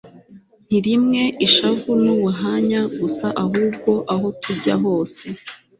ntirimw ishavu nubuhanya gusa Ahubgo aho tujya hose